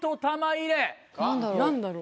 何だろう？